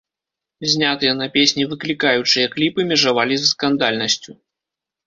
Знятыя на песні выклікаючыя кліпы межавалі з скандальнасцю.